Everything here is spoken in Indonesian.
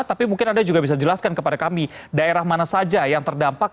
tapi mungkin anda juga bisa jelaskan kepada kami daerah mana saja yang terdampak